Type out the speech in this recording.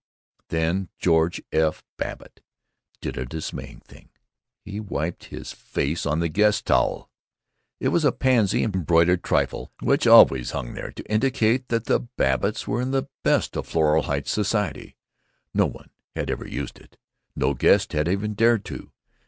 Then George F. Babbitt did a dismaying thing. He wiped his face on the guest towel! It was a pansy embroidered trifle which always hung there to indicate that the Babbitts were in the best Floral Heights society. No one had ever used it. No guest had ever dared to.